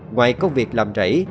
ngoài công việc làm rảy